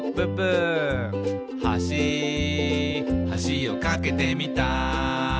「はしはしを架けてみた」